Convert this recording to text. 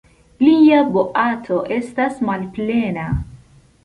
Lia boato estas malplena.